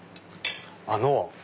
あの。